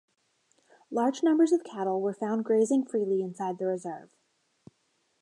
Large numbers of cattle were found grazing freely inside the reserve.